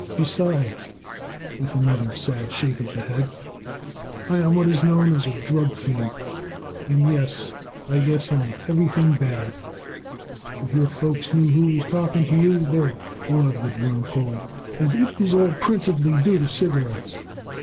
Besides," with another sad shake of the head, "I am what is known as a drug fiend, and yes, I guess I am everything bad. If your folks knew who was talking to you, their blood would run cold. "And it is all principally due to cigarettes!"